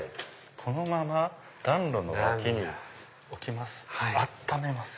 このまま暖炉の脇に置きます温めます。